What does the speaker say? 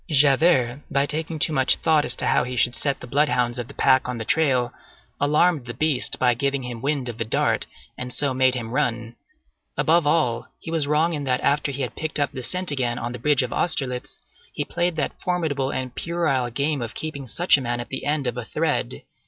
Javert, by taking too much thought as to how he should set the bloodhounds of the pack on the trail, alarmed the beast by giving him wind of the dart, and so made him run. Above all, he was wrong in that after he had picked up the scent again on the bridge of Austerlitz, he played that formidable and puerile game of keeping such a man at the end of a thread.